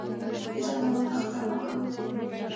د ځاندرملنه خطرناکه وي.